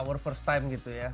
waktu itu kita juga